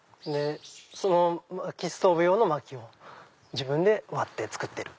そのまきストーブ用のまきを自分で割って作ってる。